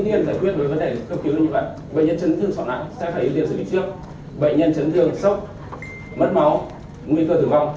bệnh nhân chấn thương sốc mất máu nguy cơ tử vong